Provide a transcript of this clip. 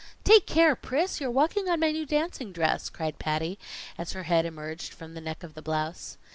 "Take care, Pris! You're walking on my new dancing dress," cried Patty, as her head emerged from the neck of the blouse.